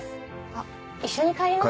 あっ一緒に帰ります？